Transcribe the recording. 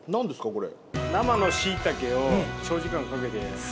これ。